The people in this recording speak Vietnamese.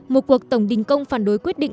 một cuộc tổng đình công phản đối quyết định